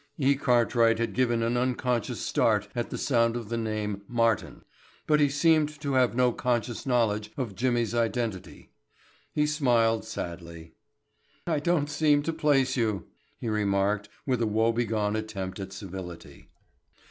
E. Cartwright had given an unconscious start at the sound of the name "Martin," but he seemed to have no conscious knowledge of Jimmy's identity. He smiled sadly. "I don't seem to place you," he remarked with a woebegone attempt at civility.